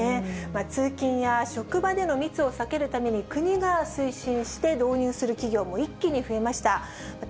通勤や職場での密を避けるために、国が推進して、導入する企業も一気に増えました。